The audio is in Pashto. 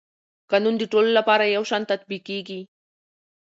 قانون د ټولو لپاره یو شان تطبیقېږي.